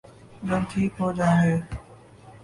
جب ٹھیک ہو جائیں گے۔